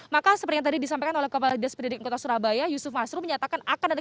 maka seperti tadi disampaikan oleh kepala despedidik kota surabaya yusuf masro menyatakan akan ada